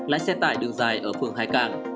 lái xe tải đường dài ở phường hải cảng